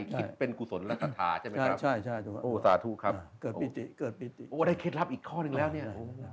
คิดเป็นกุศลรัฐธาใช่ไหมครับโอสาธุครับโอ้ได้เคล็ดลับอีกข้อนึงแล้วเนี่ย